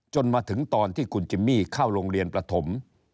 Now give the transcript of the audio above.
มาถึงตอนที่คุณจิมมี่เข้าโรงเรียนประถม